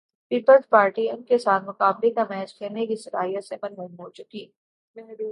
Peoples Party ان کے ساتھ مقابلے کا میچ کھیلنے کی صلاحیت سے محروم ہو چکی۔